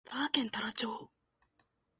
佐賀県太良町